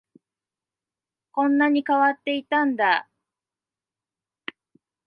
こんなに変わっていたんだ